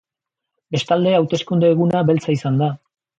Bestalde, hauteskunde eguna beltza izan da.